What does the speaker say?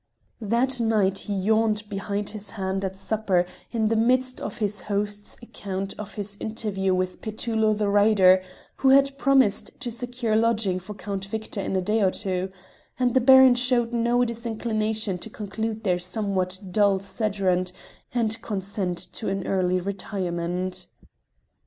That night he yawned behind his hand at supper in the midst of his host's account of his interview with Petullo the Writer, who had promised to secure lodging for Count Victor in a day or two, and the Baron showed no disinclination to conclude their somewhat dull sederunt and consent to an early retirement.